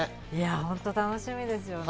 本当に楽しみですね。